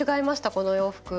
この洋服。